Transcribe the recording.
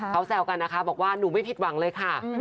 เขาแซวกันนะคะบอกว่าหนูไม่ผิดหวังเลยค่ะ